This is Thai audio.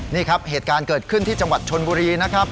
นี่ครับเหตุการณ์เกิดขึ้นที่จังหวัดชนบุรีนะครับ